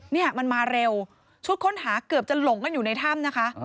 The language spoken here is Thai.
เนี่ยมันมาเร็วชุดค้นหาเกือบจะหลงกันอยู่ในถ้ำนะคะ